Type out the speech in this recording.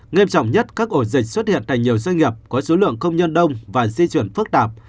nghiêm trọng nhất các ổ dịch xuất hiện tại nhiều doanh nghiệp có số lượng công nhân đông và di chuyển phức tạp